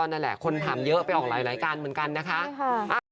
นั่นแหละคนถามเยอะไปออกหลายการเหมือนกันนะคะ